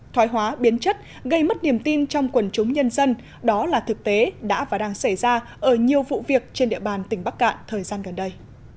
thoái hóa biến chất gây mất niềm tin trong quần chúng nhân dân đó là thực tế đã và đang xảy ra ở nhiều vụ việc trên địa bàn tỉnh bắc cạn thời gian gần đây